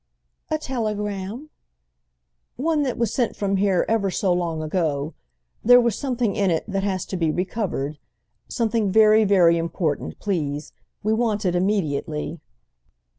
"A telegram?" "One that was sent from here ever so long ago. There was something in it that has to be recovered. Something very, very important, please—we want it immediately."